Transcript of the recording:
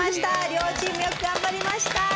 両チームよく頑張りました。